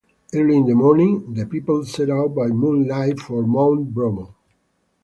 Early in the morning, the people set out by moonlight for Mount Bromo.